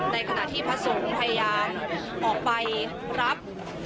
ในขณะที่พระสงฆ์พยายามออกไปรับ